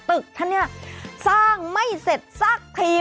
ตึกท่านเนี่ยสร้างไม่เสร็จสักที